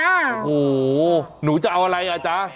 โอ้โหหนูจะเอาอะไรอ่ะจ๊ะ